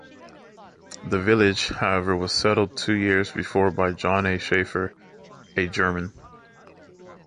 The village, however was settled two years before by John A. Shaeffer, a German.